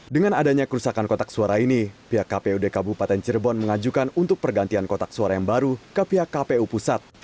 dengan adanya kerusakan kotak suara ini pihak kpud kabupaten cirebon mengajukan untuk pergantian kotak suara yang baru ke pihak kpu pusat